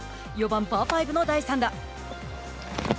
４番、パー５の第３打。